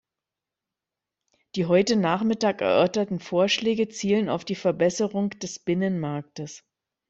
Die heute Nachmittag erörterten Vorschläge zielen auf die Verbesserung des Binnenmarktes.